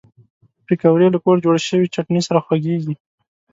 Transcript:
پکورې له کور جوړ شوي چټني سره خوږېږي